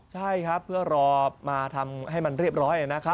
ใช่ครับเพื่อรอมาทำให้มันเรียบร้อยนะครับ